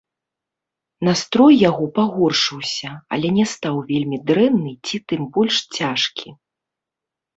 Настрой яго пагоршыўся, але не стаў вельмі дрэнны ці тым больш цяжкі.